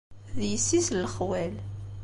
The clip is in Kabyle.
D yessi-s n lexwal.